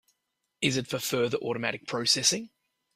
Is it for further automatic processing?